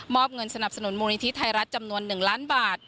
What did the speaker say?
อบเงินสนับสนุนมูลนิธิไทยรัฐจำนวน๑ล้านบาท